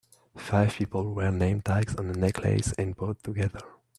Five people wear name tags on a necklace and pose together